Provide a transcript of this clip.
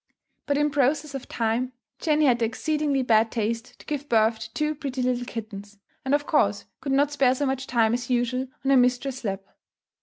But in process of time, Jenny had the exceedingly bad taste to give birth to two pretty little kittens, and of course could not spare so much time as usual on her mistress's lap.